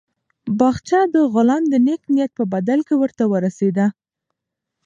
باغچه د غلام د نېک نیت په بدل کې ورته ورسېده.